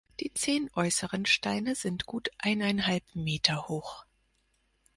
Die zehn äußeren Steine sind gut eineinhalb Meter hoch.